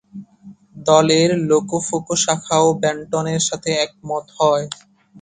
দলের লোকোফোকো শাখাও বেন্টনের সাথে একমত হয়।